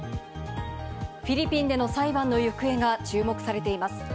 フィリピンでの裁判の行方が注目されています。